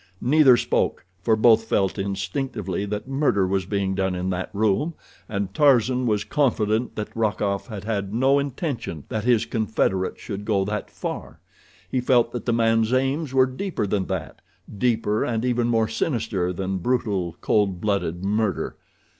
Neither spoke, for both felt instinctively that murder was being done in that room, and Tarzan was confident that Rokoff had had no intention that his confederate should go that far—he felt that the man's aims were deeper than that—deeper and even more sinister than brutal, cold blooded murder.